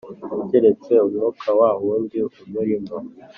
keretse umwuka wa wawundi umurimo?